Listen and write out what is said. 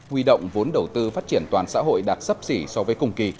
huy động vốn đầu tư phát triển toàn xã hội đạt sấp xỉ so với cùng kỳ